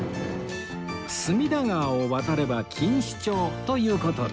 隅田川を渡れば錦糸町という事で